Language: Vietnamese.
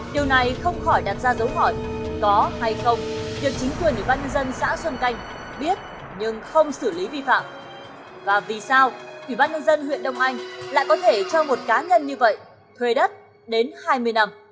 lại có thể cho một cá nhân như vậy thuê đất đến hai mươi năm